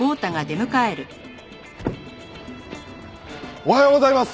おはようございます！